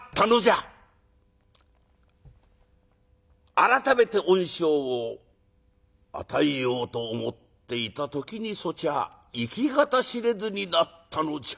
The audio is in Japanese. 改めて恩賞を与えようと思っていた時にそちは行き方知れずになったのじゃ。